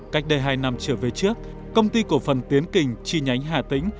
cách đây hai năm trở về trước công ty cổ phần tiến kình chi nhánh hà tĩnh